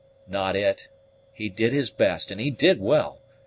"Not it. He did his best, and he did well.